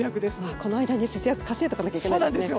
この間に節約稼いでおかないといけないですね。